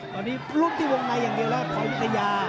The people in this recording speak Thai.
ตอนนี้ลุกที่วงในอย่างเดียวแล้วคอยวิทยา